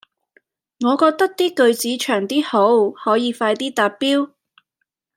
我覺得啲句子長啲好，可以快啲達標